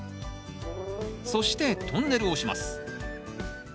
そしてトンネルをします。